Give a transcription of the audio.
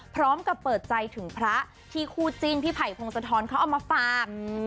พร้อมกับเปิดใจถึงพระที่คู่จิ้นพี่ไผ่พงศธรเขาเอามาฝาก